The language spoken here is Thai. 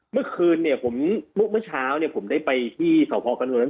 เมื่อคืนเนี่ยผมเมื่อเช้าเนี่ยผมได้ไปที่สพกระนวล